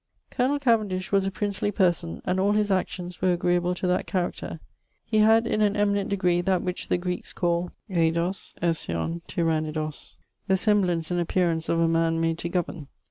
'Col. Cavendish was a princely person, and all his actions were agreable to that character: he had in an eminent degree that which the Greekes call εἶδος ἄξιον τυραννίδος, the semblance and appearance of a man made to governe.